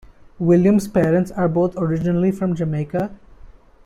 Williams's parents are both originally from Jamaica.